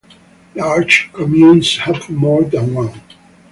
Larger communes have more than one.